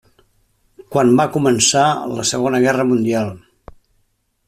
Quan va començar la Segona Guerra Mundial.